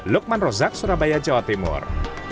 lukman rozak surabaya jawa timur